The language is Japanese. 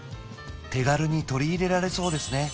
手軽に取り入れられそうですね